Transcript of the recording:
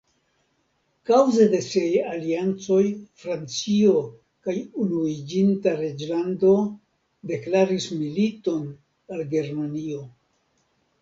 Kaŭze de siaj aliancoj Francio kaj Unuiĝinta Reĝlando deklaris militon al Germanio.